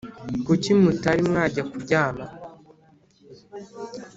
kuki mutari mwajya kuryama